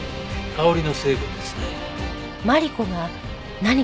香りの成分ですね。